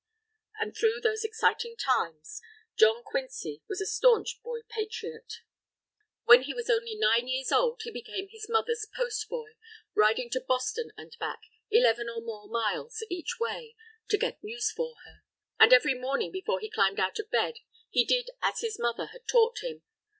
And through those exciting times, John Quincy was a staunch boy patriot. When he was only nine years old, he became his mother's post boy, riding to Boston and back, eleven or more miles each way, to get news for her. And every morning before he climbed out of bed, he did as his mother had taught him.